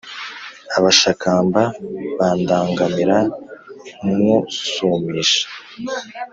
Abashakamba bandangamira nywusumisha